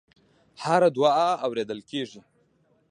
هره دعا اورېدل کېږي.